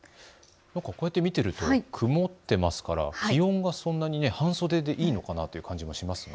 こうやって見ていると曇っていますから半袖でいいのかなという感じもしますが。